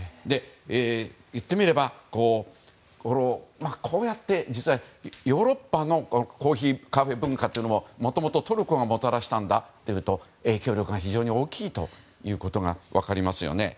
言ってみれば、こうして実は、ヨーロッパのコーヒーカフェ文化というのはもともと、トルコがもたらしたんだというと影響力が非常に大きいということが分かりますよね。